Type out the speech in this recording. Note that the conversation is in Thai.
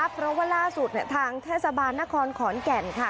เพราะว่าล่าสุดทางเทศบาลนครขอนแก่นค่ะ